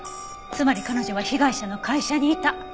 つまり彼女は被害者の会社にいた。